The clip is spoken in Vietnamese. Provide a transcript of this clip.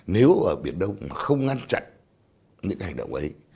nếu ở biển đông mà không ngăn chặn những hành động ấy